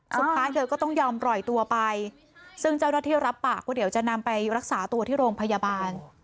สุดท้ายเธอก็ต้องยอมปล่อยตัวไปซึ่งเจ้าหน้าที่รับปากว่าเดี๋ยวจะนำไปรักษาตัวที่โรงพยาบาล